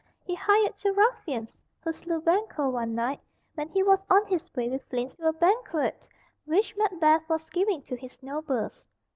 He hired two ruffians, who slew Banquo one night when he was on his way with Fleance to a banquet which Macbeth was giving to his nobles.